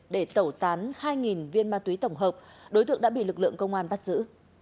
để tẩu tán hai viên ma túy tổng hợp đối tượng đã bị lực lượng công an bắt giữ